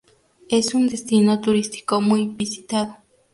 Es un destino turístico muy visitado.